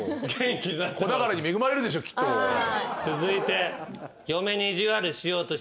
続いて。